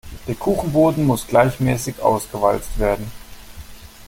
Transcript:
Der Kuchenboden muss gleichmäßig ausgewalzt werden.